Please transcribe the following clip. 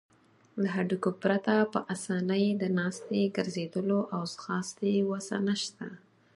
له هډوکو پرته په آسانۍ د ناستې، ګرځیدلو او ځغاستې وسه نشته.